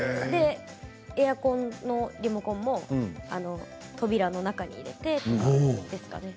エアコンのリモコンも扉の中に入れて。